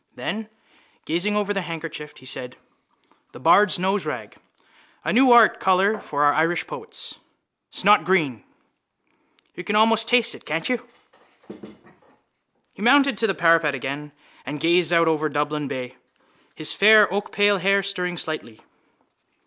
Then, gazing over the handkerchief, he said: —The bard's noserag! A new art colour for our Irish poets: snotgreen. You can almost taste it, can't you? He mounted to the parapet again and gazed out over Dublin bay, his fair oakpale hair stirring slightly.